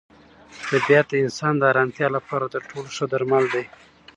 طبیعت د انسان د ارامتیا لپاره تر ټولو ښه درمل دی.